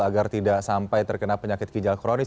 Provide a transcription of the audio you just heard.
agar tidak sampai terkena penyakit ginjal kronis